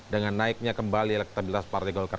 dengan naiknya kembali elektabilitas partai golkar